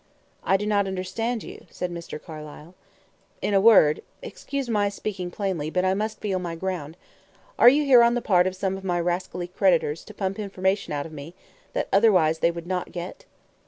"I do not understand you," said Mr. Carlyle. "In a word excuse my speaking plainly, but I must feel my ground are you here on the part of some of my rascally creditors, to pump information out of me, that otherwise they would not get?"